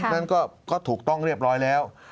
นั้นก็ถูกต้องเรียบร้อยแล้ว